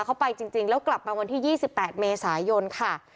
เขาไปจริงแล้วกลับมาวันที่๒๘เมษายนค่ะ